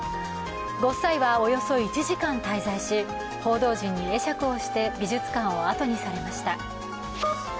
ご夫妻は、およそ１時間滞在し、報道陣に会釈をして美術館をあとにしました。